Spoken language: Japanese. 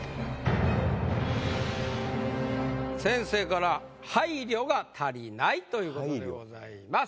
先生から「配慮が足りない」という事でございます。